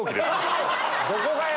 どこがや！